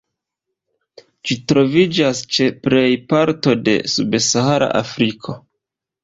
Ĝi troviĝas ĉe plej parto de Subsahara Afriko.